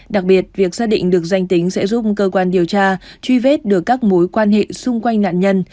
đặc biệt việc xác định được danh tính sẽ giúp cơ quan điều tra truy vết được các mối quan hệ xung quanh nạn nhân